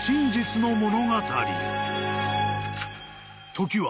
［時は］